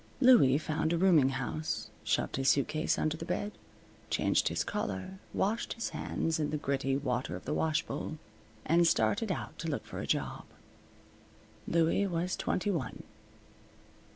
Louie found a rooming house, shoved his suitcase under the bed, changed his collar, washed his hands in the gritty water of the wash bowl, and started out to look for a job. Louie was twenty one.